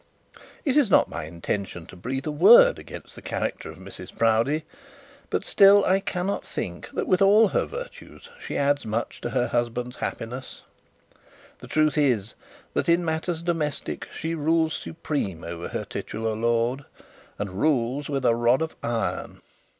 It is not my intention to breathe a word against the character of Mrs Proudie, but still I cannot think that with all her virtues she adds much to her husband's happiness. The truth is that in matters domestic she rules supreme over her titular lord, and rules with a rod of iron.